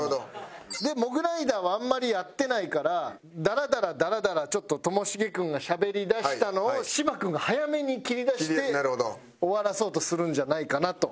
モグライダーはあんまりやってないからダラダラダラダラちょっとともしげ君がしゃべりだしたのを芝君が早めに切りだして終わらそうとするんじゃないかなと。